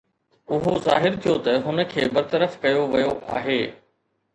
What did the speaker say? اهو ظاهر ٿيو ته هن کي برطرف ڪيو ويو آهي